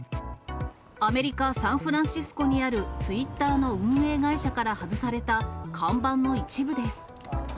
アメリカ・サンフランシスコにあるツイッターの運営会社から外された、看板の一部です。